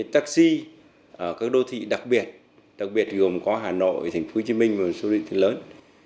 taxi ở các đô thị đặc biệt đặc biệt gồm có hà nội tp hcm và số định lớn